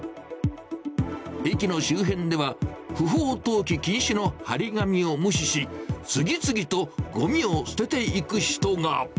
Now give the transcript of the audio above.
駅の周辺では、不法投棄禁止の貼り紙を無視し、次々とごみを捨てていく人が。